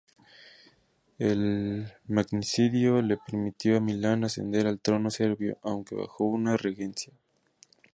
El magnicidio le permitió a Milan ascender al trono serbio, aunque bajo una regencia.